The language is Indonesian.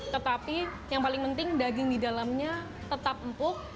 tetapi yang paling penting daging di dalamnya tetap empuk